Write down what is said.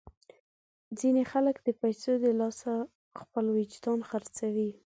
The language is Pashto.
ځینې خلک د پیسو د لاسه خپل وجدان خرڅوي.